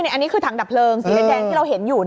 อันนี้คือถังดับเพลิงสีแดงที่เราเห็นอยู่